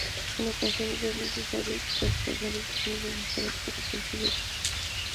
En ocasiones es necesario transbordar trenes de viajeros para conseguirlo.